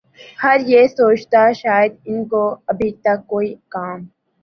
ھر یہ سوچتا شاید ان کو ابھی تک کوئی کام